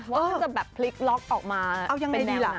ว่ามันจะแบบพลิกล็อคออกมาเป็นแนวไหน